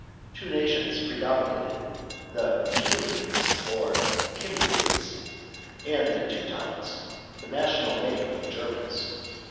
Two nations predominated; the Kymrians or Cimbrians, and the Teutons, the national name of the Germans.